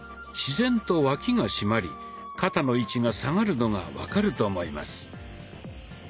自然と脇が締まり肩の位置が下がるのが分かると思います。